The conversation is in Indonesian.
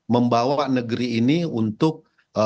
membawa negeri ini untuk